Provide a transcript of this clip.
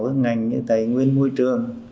các ngành như tài nguyên môi trường